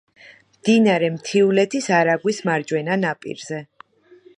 მდინარე მთიულეთის არაგვის მარჯვენა ნაპირზე.